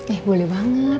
eh boleh banget